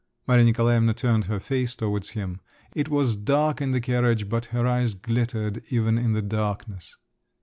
Maria Nikolaevna turned her face towards him. It was dark in the carriage, but her eyes glittered even in the darkness.